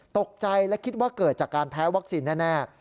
ตกใจและคิดว่าเกิดจากการแพ้วัคซีนแน่